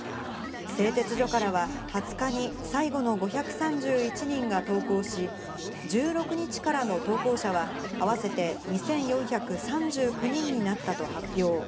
製鉄所からは、２０日に最後の５３１人が投降し、１６日からの投降者は合わせて２４３９人になったと発表。